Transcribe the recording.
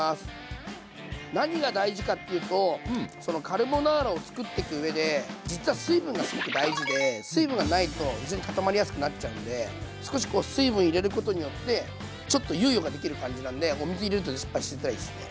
カルボナーラを作ってく上で実は水分がすごく大事で水分がないと非常に固まりやすくなっちゃうんで少しこう水分入れることによってちょっと猶予ができる感じなんでお水入れると失敗しづらいですね。